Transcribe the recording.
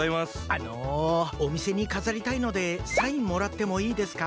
あのおみせにかざりたいのでサインもらってもいいですか？